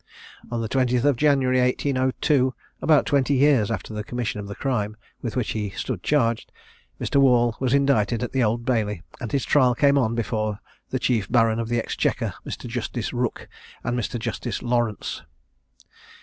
On the 20th of January, 1802, about twenty years after the commission of the crime with which he stood charged, Mr. Wall was indicted at the Old Bailey, and his trial came on before the Chief Baron of the Exchequer, Mr. Justice Rook, and Mr. Justice Lawrence.